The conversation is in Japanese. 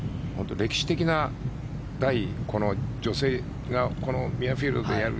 歴史的な女性がこのミュアフィールドでやる